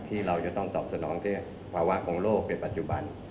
ที่เราจะต้องตอบสนองด้วยภาวะของโลกเป็นปัจจุบัน